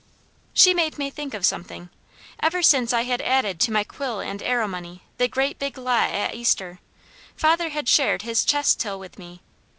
She made me think of something. Ever since I had added to my quill and arrow money, the great big lot at Easter, father had shared his chest till with me.